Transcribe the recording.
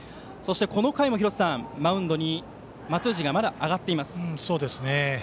この回もマウンドに松藤がまだ上がっています。